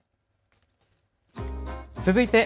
続いて＃